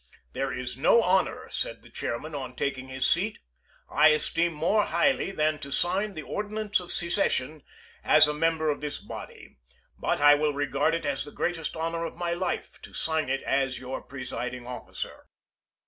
" There is no honor," said the chair man on taking his seat, "I esteem more highly than to sign the ordinance of secession as a mem ber of this body ; but I will regard it as the great » conven est honor of my life to sign it as your presiding SJ ^Yo. officer."